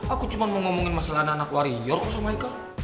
aku cuma mau ngomongin masalah anak warior sama ekel